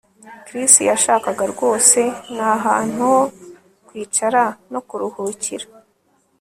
Chris yashakaga rwose ni ahantu ho kwicara no kuruhukira